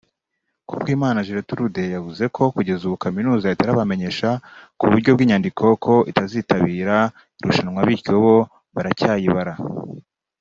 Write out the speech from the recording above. Kubwimana Gertulde yavuze ko kugeza ubu Kaminuza itarabamenyesha ku buryo bw’inyandiko ko itazitabira irushanwa bityo bo baracyayibara